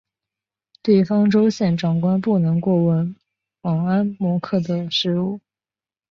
地方州县长官不能过问猛安谋克的事务。